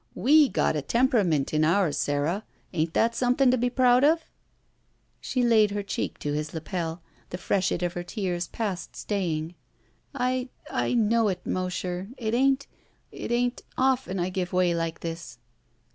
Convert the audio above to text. We got a tem perament in ours, Sara. Ain't that scnnething to be proud of?" She laid her cheek to his lapel, the freshet of her tears past stajring. I — I know it, Mosher. It ain't — often I give way like this."